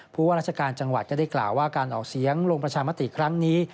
ผู้ว่าราชการจังหวัดก็ได้กล่าวว่าการออกเสียงลงประชามติครั้งนี้